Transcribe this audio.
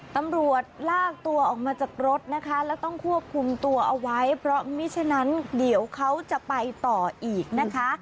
ตำรวจลากตัวออกมาจากรถนะคะแล้วต้องควบคุมตัวเอาไว้เพราะมิฉะนั้นเดี๋ยวเขาจะไปต่ออีกนะคะ